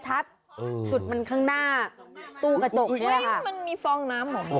จุดมันข้างหน้าตู้กระจกเนี้ยแล้วมันมีฟองน้ำเหรอ